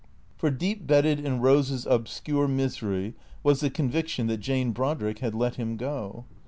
For deep bedded in Eose's obscure misery was the conviction that Jane Brodrick had let him go.